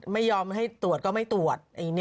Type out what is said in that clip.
ไม่ยอมให้ตรวจก็ไม่ตรวจ